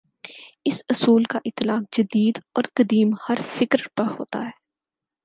اس اصول کا اطلاق جدید اور قدیم، ہر فکرپر ہوتا ہے۔